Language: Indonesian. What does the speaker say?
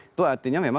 itu artinya memang tidak